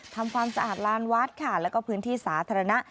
ทำความสะอาดลานวัดค่ะแล้วก็พื้นที่สาธารณะ